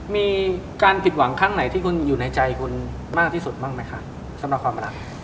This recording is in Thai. มีการผิดหวังครั้งไหนที่คุณอยู่ในใจคุณมากที่สุดบ้างไหมคะสำหรับความรัก